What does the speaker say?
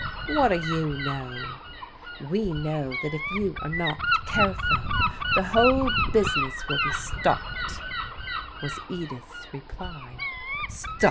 " What do you know ?"" We know that if you are not careful, the whole busi ness will be stopped," was Edith's reply.